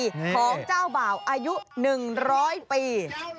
ของเจ้าบ่าวอายุ๑๐๐ปี